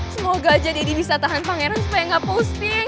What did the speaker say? semoga aja deddy bisa tahan pangeran supaya nggak posting